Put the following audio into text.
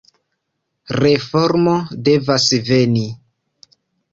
Reformo devas veni.